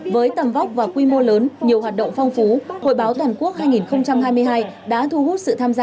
với tầm vóc và quy mô lớn nhiều hoạt động phong phú hội báo toàn quốc hai nghìn hai mươi hai đã thu hút sự tham gia